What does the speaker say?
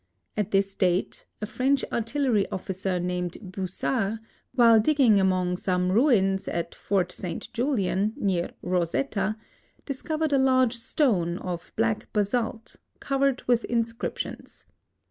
At this date, a French artillery officer, named Boussard, while digging among some ruins at Fort St. Julian, near Rosetta, discovered a large stone, of black basalt, covered with inscriptions.